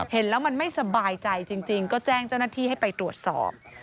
เห็นแล้วมันไม่สบายใจจริงก็แจ้งเจ้าหน้าที่ให้ไปตรวจสอบ